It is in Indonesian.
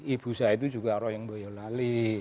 ibu saya itu juga orang yang boyolali